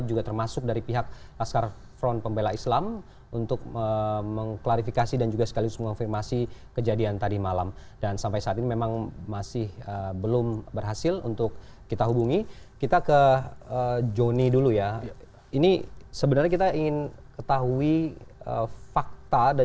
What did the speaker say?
jurnalis jurnalis indonesia tv dipaksa menghapus gambar yang memperlihatkan adanya keributan yang sempat terjadi di lokasi acara